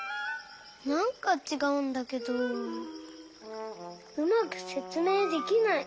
なんかちがうんだけどうまくせつめいできない。